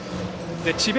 智弁